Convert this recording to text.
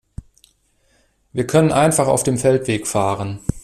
Wir können einfach auf dem Feldweg fahren.